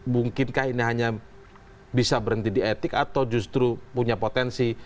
mungkinkah ini hanya bisa berhenti di etik atau justru punya potensi